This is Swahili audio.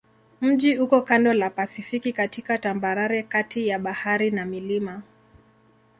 Mji uko kando la Pasifiki katika tambarare kati ya bahari na milima.